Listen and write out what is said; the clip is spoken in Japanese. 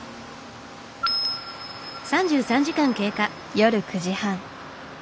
夜９時半。